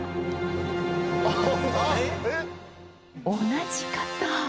同じ方！？